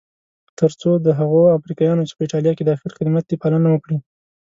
تر څو د هغو امریکایانو چې په ایټالیا کې داخل خدمت دي پالنه وکړي.